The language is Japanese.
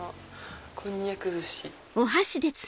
こんにゃく寿司。